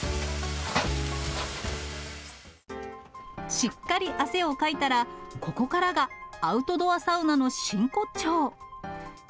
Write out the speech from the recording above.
しっかり汗をかいたら、ここからがアウトドアサウナの真骨頂。